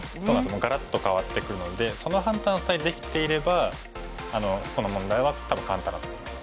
もうがらっと変わってくるのでその判断さえできていればこの問題は多分簡単だと思います。